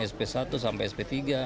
sp satu sampai sp tiga